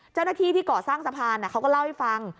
เจ้าหน้าที่ที่ก่อสร้างสะพานเขาก็เล่าให้ฟัง